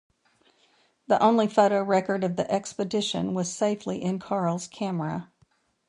The only photo record of the expedition was safely in Carl's camera.